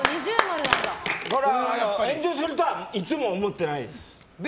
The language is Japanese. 炎上するとは、いつも思ってないんです。